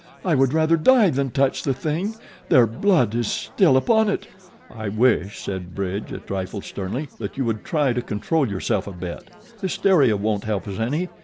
I would rather die than touch the thing. Their blood is still upon it." "I wish," said Bridge a trifle sternly, "that you would try to control yourself a bit. Hysteria won't help us any.